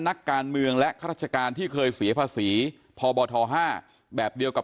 นักการเมืองและข้าราชการที่เคยเสียภาษีพบท๕แบบเดียวกับ